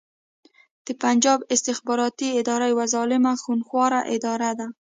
د پنجاب استخباراتې اداره يوه ظالمه خونښواره اداره ده